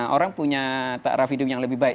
orang punya taraf hidupnya lebih baik